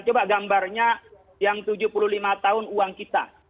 coba gambarnya yang tujuh puluh lima tahun uang kita